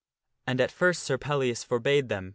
And at first Sir Pellias forbade them.